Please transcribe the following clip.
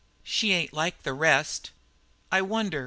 "She ain't like the rest." "I wonder?"